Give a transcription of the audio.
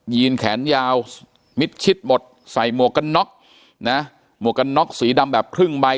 ีนแขนยาวมิดชิดหมดใส่หมวกกันน็อกนะหมวกกันน็อกสีดำแบบครึ่งใบ